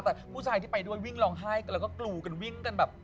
แต่ผู้ชายที่ไปด้วยวิ่งร้องไห้กันแล้วก็กรูกันวิ่งกันแบบ